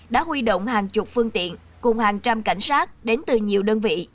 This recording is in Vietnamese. đã huy động hàng chục phương tiện cùng hàng trăm cảnh sát đến từ nhiều đơn vị